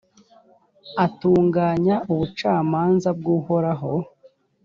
atunganya ubucamanza bw’uhoraho.